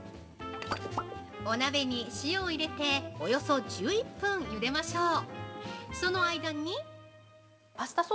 ◆お鍋に塩を入れておよそ１１分ゆでましょう。